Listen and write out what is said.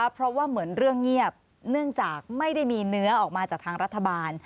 เพราะว่าเหมือนเรื่องเงียบเนื่องจากไม่ได้มีเนื้อออกมาจากทางรัฐบาล